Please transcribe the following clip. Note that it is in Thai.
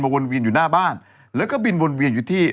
วนเวียนอยู่หน้าบ้านแล้วก็บินวนเวียนอยู่ที่